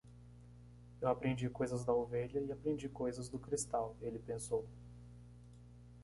Eu aprendi coisas da ovelha? e aprendi coisas do cristal? ele pensou.